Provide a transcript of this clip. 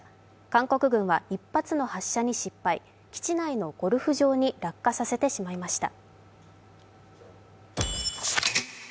韓国軍は１発の発射に失敗基地内のゴルフ場に落下させてしまいました。